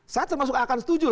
saya termasuk akan setuju